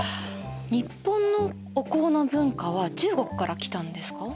日本のお香の文化は中国から来たんですか？